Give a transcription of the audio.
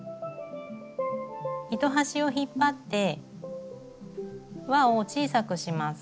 糸端を引っ張って輪を小さくします。